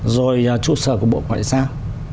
rồi trụ sở của bộ ngoại giao